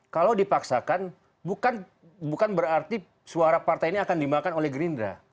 kalau dipaksakan bukan berarti suara partai ini akan dimakan oleh gerindra